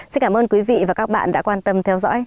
xin cảm ơn quý vị và các bạn đã quan tâm theo dõi